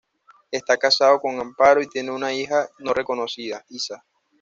Está casado con Amparo y tiene una hija no reconocida: Isa.